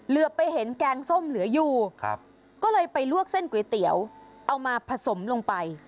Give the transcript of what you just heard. เหลือไปเห็นแกงส้มเหลืออยู่ก็เลยไปลวกเส้นก๋วยเตี๋ยวเอามาผสมลงไป